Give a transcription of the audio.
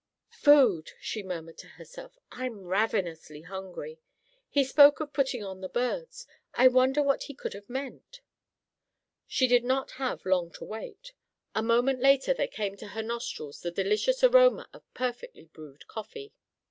"Food," she murmured to herself, "I'm ravenously hungry. He spoke of putting on the birds. I wonder what he could have meant?" She did not have long to wait. A moment later there came to her nostrils the delicious aroma of perfectly brewed coffee.